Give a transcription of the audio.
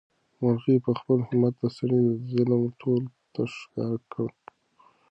مرغۍ په خپل همت د سړي ظلم ټولو ته ښکاره کړ.